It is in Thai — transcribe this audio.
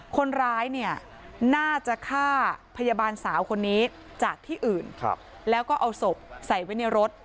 คนร้ายเนี่ยน่าจะฆ่าพยาบาลสาวคนนี้จากที่อื่นแล้วก็เอาศพใส่ไว้ในรถ